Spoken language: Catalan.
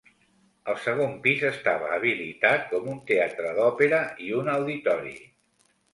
El segon pis estava habilitat com un teatre d'òpera i un auditori.